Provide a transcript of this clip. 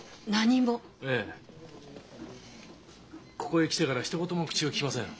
ここへ来てからひと言も口をききません。